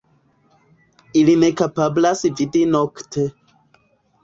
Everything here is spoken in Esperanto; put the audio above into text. Ili ne kapablas vidi nokte.